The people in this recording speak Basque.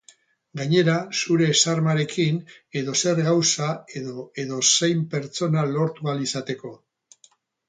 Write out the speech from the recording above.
Gainera, zure xarmarekin edozer gauza edo edozein pertsona lortu ahal izateko.